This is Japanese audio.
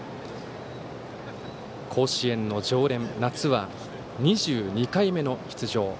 甲子園の常連夏は２２回目の出場。